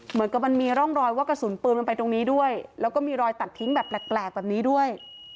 เหมือนกับมันมีร่องรอยว่ากระสุนปืนมันไปตรงนี้ด้วยแล้วก็มีรอยตัดทิ้งแบบแปลกแบบนี้ด้วย